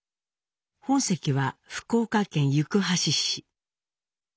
本籍は福岡県行橋市。